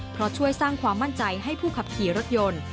เพราะช่วยสร้างความมั่นใจให้ผู้ขับขี่รถยนต์